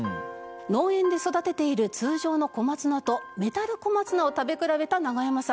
農園で育てている通常の小松菜とメタル小松菜を食べ比べたナガヤマさん。